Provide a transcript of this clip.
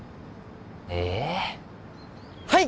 ええはい！